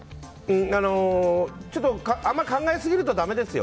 あまり考えすぎるとだめですよ。